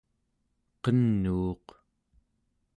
qenuuq